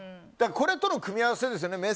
これとの組み合わせですよね